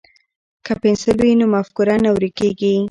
که پنسل وي نو مفکوره نه ورکیږي.